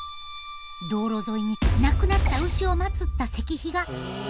道路沿いに亡くなった牛をまつった石碑が。